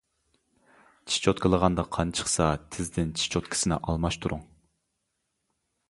چىش چوتكىلىغاندا قان چىقسا تىزدىن چىش چوتكىسىنى ئالماشتۇرۇڭ.